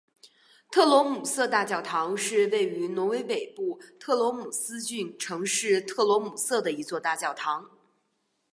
特罗姆瑟大教堂是位于挪威北部特罗姆斯郡城市特罗姆瑟的一座大教堂。